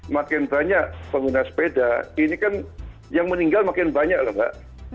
makin banyak pengguna sepeda ini kan yang meninggal makin banyak loh mbak